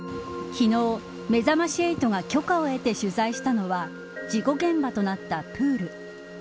昨日、めざまし８が許可を得て取材したのは事故現場となったプール。